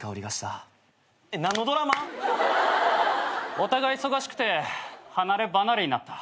お互い忙しくて離れ離れになった。